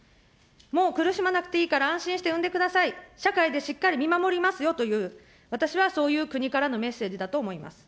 もう苦しまなくていいから安心して生んでください、社会でしっかり見守りますよという、私はそういう国からのメッセージだと思います。